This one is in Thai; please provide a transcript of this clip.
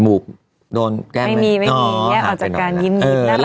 อือ